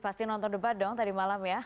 pasti nonton debat dong tadi malam ya